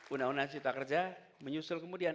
undang undang cipta kerja menyusul kemudian